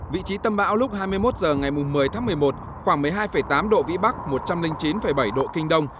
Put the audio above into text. vị trí tâm bão lúc hai mươi một h ngày một mươi tháng một mươi một khoảng một mươi hai tám độ vĩ bắc một trăm linh chín bảy độ kinh đông